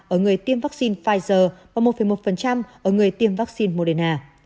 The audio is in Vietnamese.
ở người tiêm vaccine pfizer và một một ở người tiêm vaccine moderna